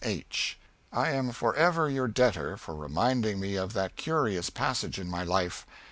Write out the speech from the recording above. H., I am forever your debtor for reminding me of that curious passage in my life.